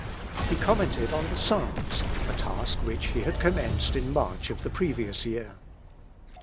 He commented on the Psalms, a task which he had commenced in March of the previous year.